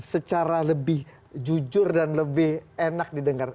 secara lebih jujur dan lebih enak didengar